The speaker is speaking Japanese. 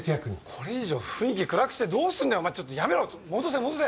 これ以上雰囲気暗くしてどうすんだよお前ちょっとやめろちょ戻せ戻せ。